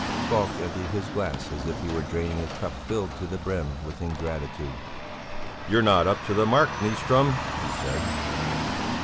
Falk emptied his glass as if he were draining a cup filled to the brim with ingratitude. "You're not up to the mark, Nyström," he said.